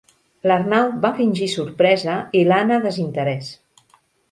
L'Arnau va fingir sorpresa i l'Anna desinterès.